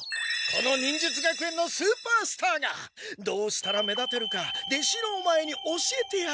この忍術学園のスーパースターがどうしたら目立てるか弟子のオマエに教えてやろう！